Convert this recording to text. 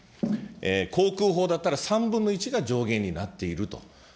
航空法だったら３分の１が上限になっていると。